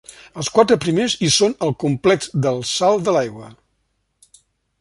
Els quatre primers hi són al Complex del Salt de l'Aigua.